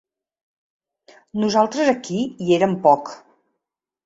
Nosaltres aquí hi érem poc.